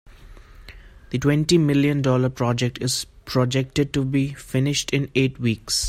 The twenty million dollar project is projected to be finished in eight weeks.